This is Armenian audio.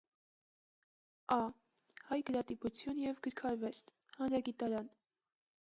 Ա֊ Հայ գրատպութիւն և գրքարուեստ֊ հանրագիտարան։